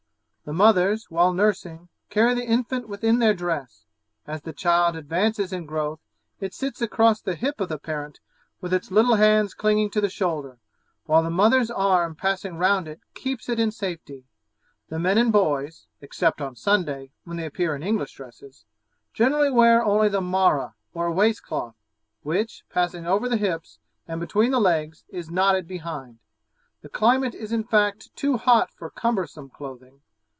The mothers, while nursing, carry the infant within their dress; as the child advances in growth it sits across the hip of the parent with its little hands clinging to the shoulder, while the mother's arm passing round it keeps it in safety. The men and boys, except on Sunday, when they appear in English dresses, generally wear only the mara, or waist cloth, which, passing over the hips, and between the legs, is knotted behind; the climate is in fact too hot for cumbersome clothing.